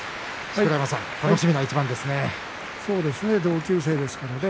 楽しみな一番ですね。